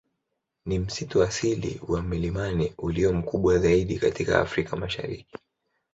Ni msitu asili wa milimani ulio mkubwa zaidi katika Afrika Mashariki.